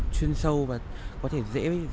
chuyên sâu và có thể dễ